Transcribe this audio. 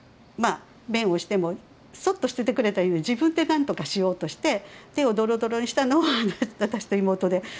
まあ便をしてもそっとしててくれたらいいのに自分で何とかしようとして手をどろどろにしたのを私と妹で。